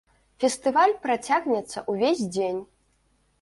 Фестываль працягнецца ўвесь дзень.